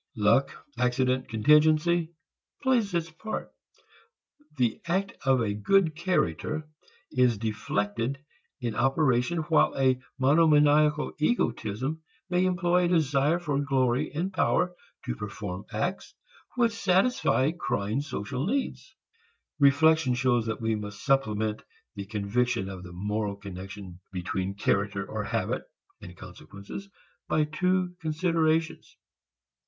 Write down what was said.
Luck, accident, contingency, plays its part. The act of a good character is deflected in operation, while a monomaniacal egotism may employ a desire for glory and power to perform acts which satisfy crying social needs. Reflection shows that we must supplement the conviction of the moral connection between character or habit and consequences by two considerations.